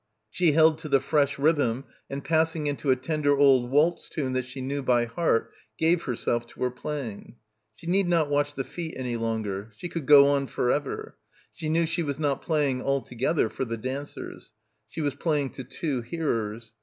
She held to the fresh rhythm and passing into a tender old waltz tune that she knew by heart gave herself to her playing. She need not watch the feet any longer. She could go on for ever. She knew she was not playing altogether for the dancers. She was playing to two hearers.